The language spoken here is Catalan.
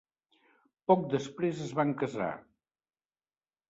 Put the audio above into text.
Poc després es van casar.